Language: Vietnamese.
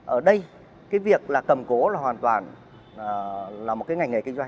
ở đây cái việc là cầm cố là hoàn toàn là một cái ngành nghề kinh doanh